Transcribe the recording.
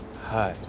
はい。